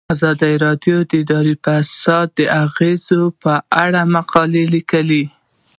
ازادي راډیو د اداري فساد د اغیزو په اړه مقالو لیکلي.